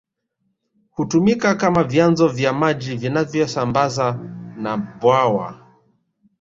Hutumika kama vyanzo vya maji vinavyosambaza na bwawa